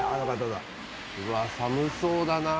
うわっ寒そうだな。